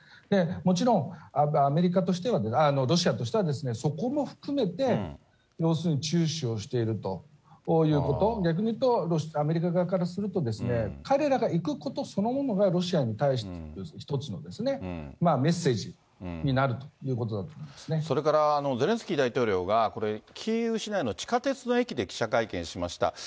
もちろん、アメリカとしては、ロシアとしては、そこも含めて要するに注視をしているということ、逆にいうと、アメリカ側からすると、彼らが行くことそのものがロシアに対する一つのメッセージになるそれからゼレンスキー大統領がキーウ市内の地下鉄の駅で記者会見しました。